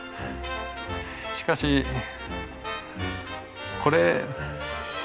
しかしこれ。